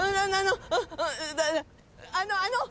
うあのあの。